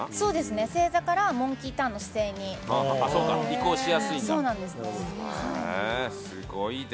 正座からモンキーターンの姿勢に移行しやすいので。